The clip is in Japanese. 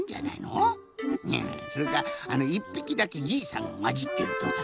うんそれか１ぴきだけじいさんがまじってるとか。